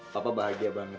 pak pak bahagia banget